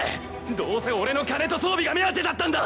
どうせ俺の金と装備が目当てだったんだ。